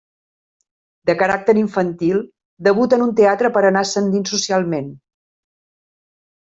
De caràcter infantil, debuta en un teatre per anar ascendint socialment.